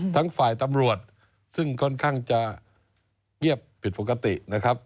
ทั้งฝ่ายตำรวจซึ่งค่อนข้างจะเงียบผิดปกตินะครับ